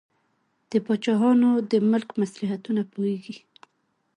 د پاچاهانو د ملک مصلحتونه پوهیږي.